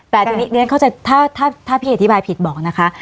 แต่ทีนี้เรียนเข้าใจถ้าพี่อธิบายผิดบอกนะคะ